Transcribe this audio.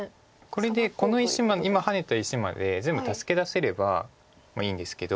これでこの石今ハネた石まで全部助け出せればいいんですけど。